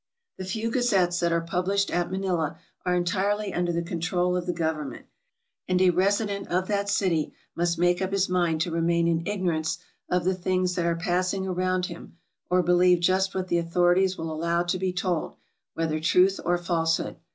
The few gazettes that are published at Manila are en tirely under the control of the government ; and a resident of that city must make up his mind to remain in ignorance of the things that are passing around him, or believe just what the authorities will allow to be told, whether truth or falsehood.